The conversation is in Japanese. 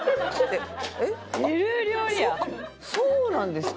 「あっそうなんですか？」。